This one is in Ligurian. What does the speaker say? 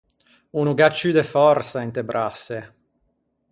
O no gh’à ciù de fòrsa inte brasse.